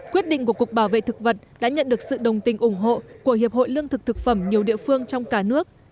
quyết định của cục bảo vệ thực vật đã nhận được sự đồng tình ủng hộ của hiệp hội lương thực thực phẩm nhiều địa phương trong cả nước